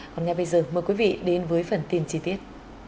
còn ngay bây giờ mời quý vị đến với phần tin chi tiết